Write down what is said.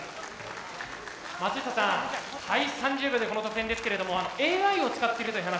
松下さん開始３０秒でこの得点ですけれどもＡＩを使ってるという話ありましたね。